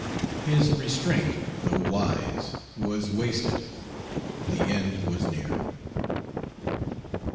His restraint, though wise, was wasted the end was near.